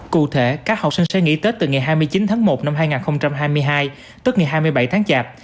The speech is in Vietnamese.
cụ thể các học sinh sẽ nghỉ tết từ ngày hai mươi chín tháng một năm hai nghìn hai mươi hai tức ngày hai mươi bảy tháng chạp